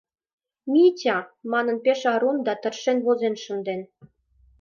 Митя!» манын, пеш арун да тыршен возен шынден.